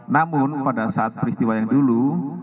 namun pada saat peristiwa yang dulu